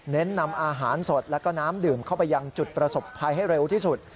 นำอาหารสดแล้วก็น้ำดื่มเข้าไปยังจุดประสบภัยให้เร็วที่สุด